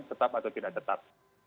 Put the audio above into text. tetap atau tidak tetap